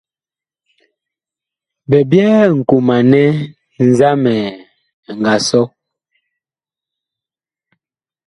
Bi byɛɛ nkomanɛ nzamɛ ɛ nga sɔ.